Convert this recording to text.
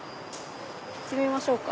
行ってみましょうか。